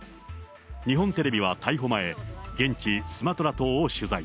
日本テレビは逮捕前、現地、スマトラ島を取材。